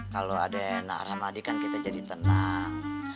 kalau ada naramadi kan kita jadi tenang